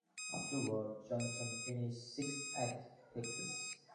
Afterward, Johnson finished sixth at Texas.